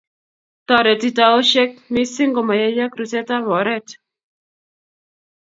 toreti taoshek mising komayayak rusetab oret